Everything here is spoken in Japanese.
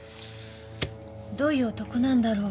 どういう男なんだろう。